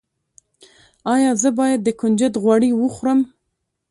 ایا زه باید د کنجد غوړي وخورم؟